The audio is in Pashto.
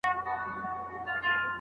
که پر مځکه ګرځېدل که په هوا وه